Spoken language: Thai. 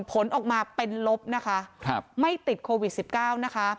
ผลออกมาเป็นลบนะคะไม่ติดโควิด๑๙นะคะ